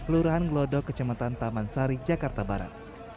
lurahan gelodok kecematan taman sari jakarta barat